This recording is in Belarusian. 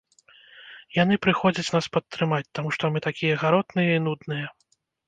Яны прыходзяць нас падтрымаць, таму што мы такія гаротныя і нудныя.